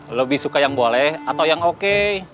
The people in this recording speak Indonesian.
lebih suka yang boleh atau yang oke